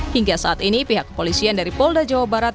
hingga saat ini pihak kepolisian dari polda jawa barat